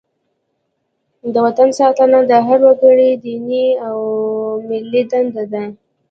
د وطن ساتنه د هر وګړي دیني او ملي دنده ده.